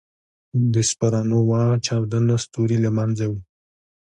د سپرنووا چاودنه ستوری له منځه وړي.